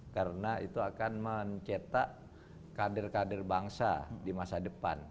karena itu akan mencetak kader kader bangsa di masa depan